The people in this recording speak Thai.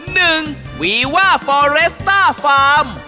วีว่าฟอเรสต้าฟาร์ม